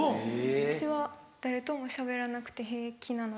私は誰ともしゃべらなくて平気なので。